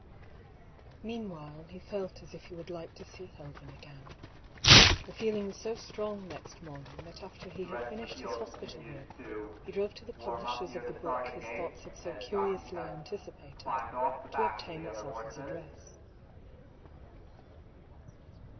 Meanwhile he felt as if he would like to see Helven again. The feeling was so strong next morning that after he had finished his hospital work he drove to the publishers of the book his thoughts had so curiously an ticipated, to obtain its author's address.